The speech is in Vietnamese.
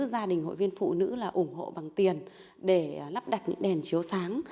gia đình hội viên phụ nữ là ủng hộ bằng tiền để lắp đặt những đèn chiếu sáng